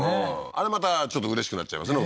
あれまたちょっとうれしくなっちゃいますね